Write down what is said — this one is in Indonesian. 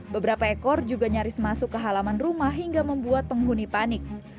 beberapa ekor juga nyaris masuk ke halaman rumah hingga membuat penghuni panik